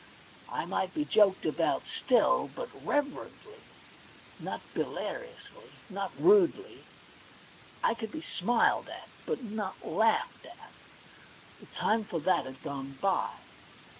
I might be joked about still, but reverently, not hilariously, not rudely ; I could be smiled at, but not laughed at. The time for that had gone by.